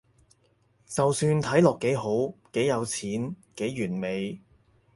就算睇落幾好，幾有錢，幾完美